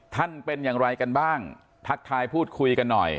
เป็นอย่างไรกันบ้างทักทายพูดคุยกันหน่อย